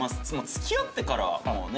付き合ってからはもうね